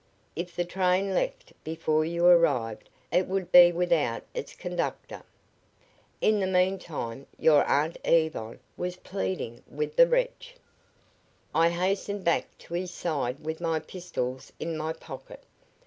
If the train left before you arrived it would be without its conductor. In the meantime, your Aunt Yvonne was pleading with the wretch. I hastened back to his side with my pistols in my pocket.